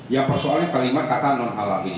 yang persoalnya kelima katanon halal ini